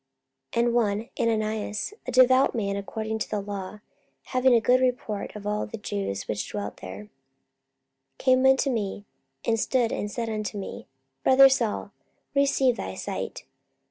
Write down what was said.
44:022:012 And one Ananias, a devout man according to the law, having a good report of all the Jews which dwelt there, 44:022:013 Came unto me, and stood, and said unto me, Brother Saul, receive thy sight.